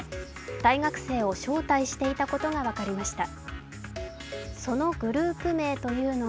大学生を招待していたことが分かりました。